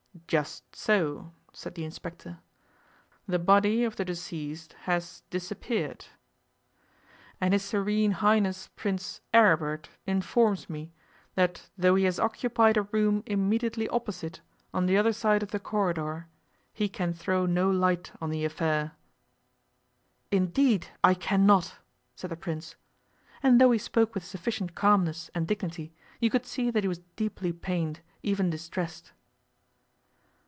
'Just so,' said the inspector. 'The body of the deceased has disappeared. And his Serene Highness Prince Aribert informs me that though he has occupied a room immediately opposite, on the other side of the corridor, he can throw no light on the affair.' 'Indeed, I cannot!' said the Prince, and though he spoke with sufficient calmness and dignity, you could see that he was deeply pained, even distressed.